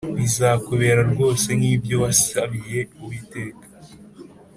Bizakubera rwose nk ibyo wasabiye Uwiteka